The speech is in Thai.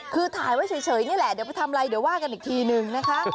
คือถ่ายไว้เฉยนี่แหละเดี๋ยวไปทำอะไรเดี๋ยวว่ากันอีกทีนึงนะคะ